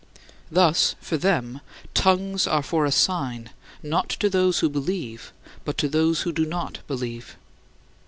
Thus, for them, "tongues are for a sign, not to those who believe but to those who do not believe."